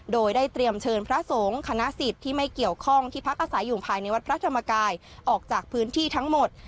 โดยได้เตรียมเชิญพระสงฆ์คณะสิทธิ์ที่ไม่เกี่ยวข้องที่พักอาศัยอยู่ภายในวัดพระธรรมกายออกจากพื้นที่ทั้งหมด